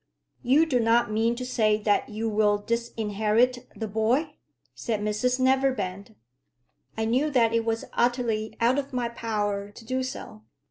"You do not mean to say that you will disinherit the boy?" said Mrs Neverbend. I knew that it was utterly out of my power to do so.